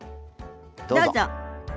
どうぞ。